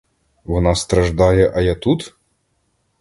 Вона страждає, а я тут?